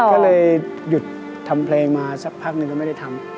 ก็เลยหยุดทำเพลงมาสักพักหนึ่งก็ไม่ได้ทำ